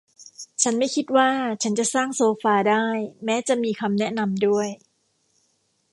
ฉันไม่คิดว่าฉันจะสร้างโซฟาได้แม้จะมีคำแนะนำด้วย